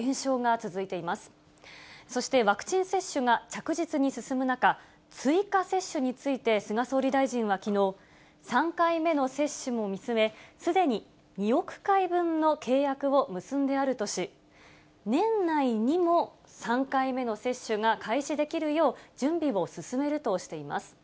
そしてワクチン接種が着実に進む中、追加接種について菅総理大臣はきのう、３回目の接種を見据え、すでに２億回分の契約を結んであるとし、年内にも３回目の接種が開始できるよう、準備を進めるとしています。